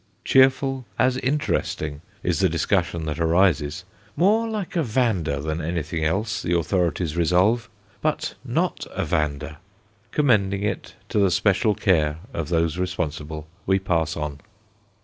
Cheerful as interesting is the discussion that arises. More like a Vanda than anything else, the authorities resolve, but not a Vanda! Commending it to the special care of those responsible, we pass on.